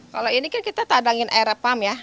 kalau ini kan kita tadangin aero pump ya